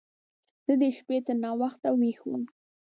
زه د شپې تر ناوخته ويښ وم.